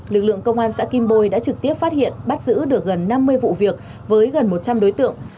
lực lượng công an xã kim bôi đã trực tiếp phát hiện bắt giữ được gần năm mươi vụ việc với gần một trăm linh đối tượng